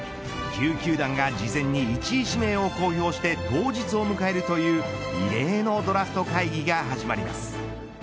１０球団が事前に１位指名を公表して当日を迎えるという異例のドラフト会議が始まります。